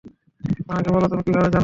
আমাকে বলো তুমি কীভাবে জানো?